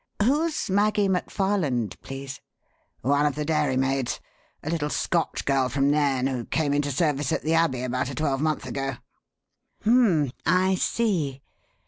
"Who's Maggie McFarland, please?" "One of the dairymaids. A little Scotch girl from Nairn who came into service at the Abbey about a twelvemonth ago." "H'm! I see.